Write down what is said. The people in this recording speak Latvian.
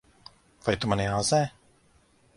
Vai tu mani āzē?